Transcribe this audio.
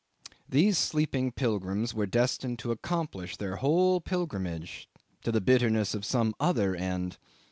These sleeping pilgrims were destined to accomplish their whole pilgrimage to the bitterness of some other end.